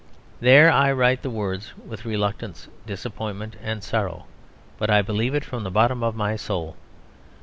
There! I write the words with reluctance, disappointment, and sorrow; but I believe it from the bottom of my soul.